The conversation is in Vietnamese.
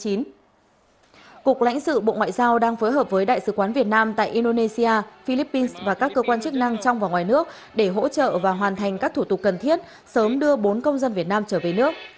cục lãnh sự bộ ngoại giao đang phối hợp với đại sứ quán việt nam tại indonesia philippines và các cơ quan chức năng trong và ngoài nước để hỗ trợ và hoàn thành các thủ tục cần thiết sớm đưa bốn công dân việt nam trở về nước